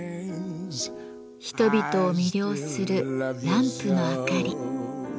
人々を魅了するランプのあかり。